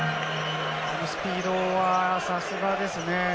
このスピードはさすがですね。